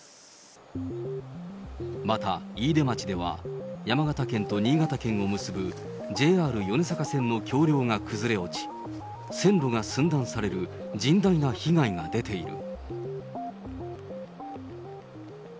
また、飯豊町では山形県と新潟県を結ぶＪＲ米坂線の橋りょうが崩れ落ち、線路が寸断される甚大な被害が出ている。